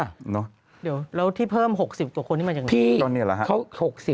เดี๋ยวแล้วที่เพิ่ม๖๐กว่าคนที่มาจากไหน